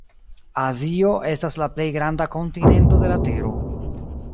Azio estas la plej granda kontinento de la tero.